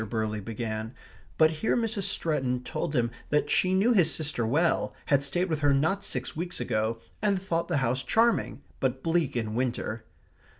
Burley began; but here Mrs. Stretton told him that she knew his sister well; had stayed with her not six weeks ago; and thought the house charming, but bleak in winter.